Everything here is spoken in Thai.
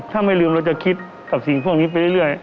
ถ้าไม่ลืมเราจะคิดกับสิ่งพวกนี้ไปเรื่อย